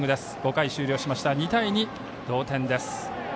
５回終了して２対２同点です。